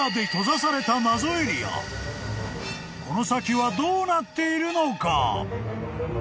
［この先はどうなっているのか？］